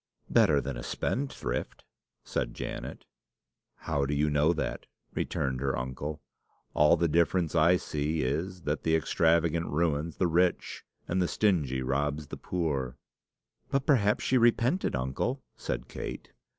"Better than a spendthrift," said Janet. "How do you know that?" returned her uncle. "All the difference I see is, that the extravagant ruins the rich, and the stingy robs the poor." "But perhaps she repented, uncle," said Kate.